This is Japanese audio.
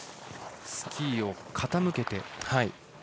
スキーを傾けて。